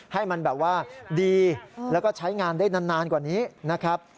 ให้มันดีและใช้งานได้นานกว่านี้นะครับ